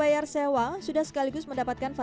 bahwa pihak yang berkurang ekalo acho menipu bimbing ya